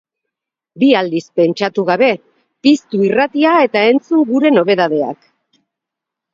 Bi aldiz pentsatu gabe, piztu irratia eta entzun gure nobedadeak!